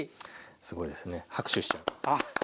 すごいですね拍手しちゃう。